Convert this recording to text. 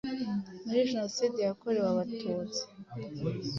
muri Jenoside yakorewe Abatutsi